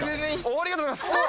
ありがとうございます。